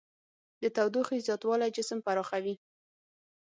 د تودوخې زیاتوالی جسم پراخوي.